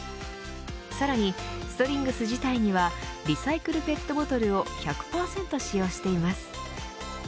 さらに、ストリングス自体にはリサイクルペットボトルを１００％使用しています。